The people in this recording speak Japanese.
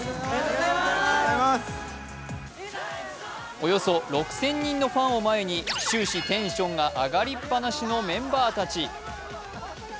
およそ６０００人のファンを前に終始テンションが上がりっぱなしのメンバーたち。